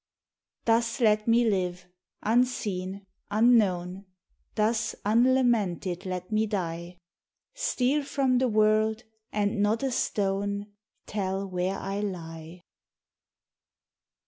Thus let me live, unseen, unknown: Thus uulamented let me die; Steal from the world, and not a stone Tell where I lie.